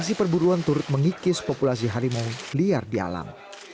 asli perburuan turut mengikis populasi hari mau liar di alam